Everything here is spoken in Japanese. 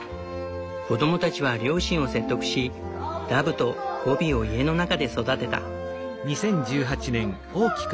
子供たちは両親を説得しダブとゴビを家の中で育てた。